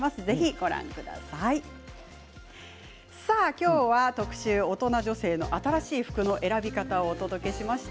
今日は特集大人女性の新しい服の選び方をお届けしました。